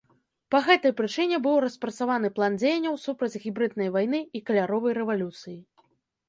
Па гэтай прычыне быў распрацаваны план дзеянняў супраць гібрыднай вайны і каляровай рэвалюцыі.